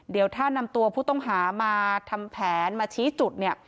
เดี๋ยวถ้านำตัวผู้ต้องหามาทำแผนมาชี้จุดเนี่ย